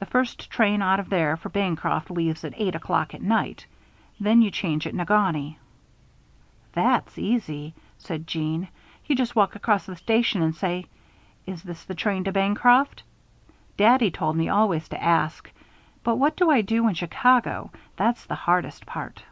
The first train out of there for Bancroft leaves at eight o'clock at night. Then you change at Negaunee " "That's easy," said Jeanne. "You just walk across the station and say: 'Is this the train to Bancroft?' Daddy told me always to ask. But what do I do in Chicago? That's the hardest part."